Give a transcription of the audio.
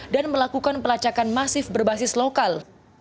dan melakukan pelacakan masif berbasis lokal